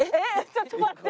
ちょっと待って。